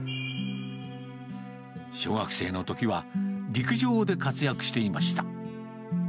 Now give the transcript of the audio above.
小学生のときは、陸上で活躍していました。